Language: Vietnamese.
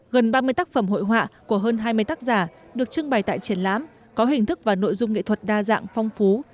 gần ba mươi tác phẩm hội họa của hơn hai mươi tác giả được trưng bày tại triển lãm có hình thức và nội dung nghệ thuật đa dạng phong phú